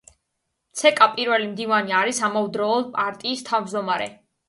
ცკ პირველი მდივანი არის ამავდროულად პარტიის თავმჯდომარე.